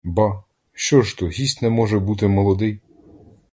Ба, що ж, то гість не може бути молодий?